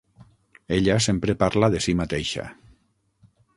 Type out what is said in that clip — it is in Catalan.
Ella sempre parla de si mateixa.